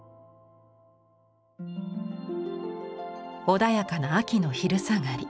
穏やかな秋の昼下がり。